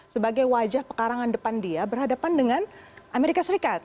sebagai wajah pekarangan depan dia berhadapan dengan amerika serikat